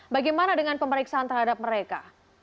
bagaimana dengan pemeriksaan terhadap mereka